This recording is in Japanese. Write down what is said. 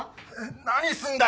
何すんだよ！